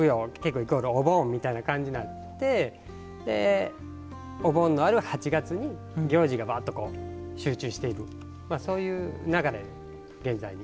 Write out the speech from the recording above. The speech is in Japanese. イコールお盆みたいな感じになってお盆のある８月に行事が、ばあっと集中しているそういう流れで現在に。